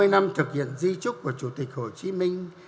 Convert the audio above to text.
ba mươi năm thực hiện di trúc của chủ tịch hồ chí minh